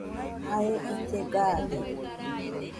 Jae ille gaade.